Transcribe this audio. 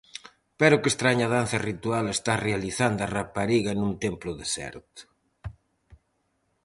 Pero que estraña danza ritual está realizando a rapariga nun templo deserto?